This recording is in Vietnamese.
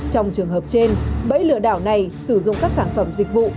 trong trường hợp trên bẫy lừa đảo này sử dụng các sản phẩm dịch vụ